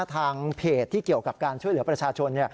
ทางเพจที่เกี่ยวกับการช่วยเหลือประชาชน